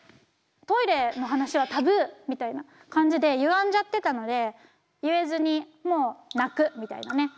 トイレの話はタブーみたいな感じでゆがんじゃってたので言えずにもう泣くみたいなね。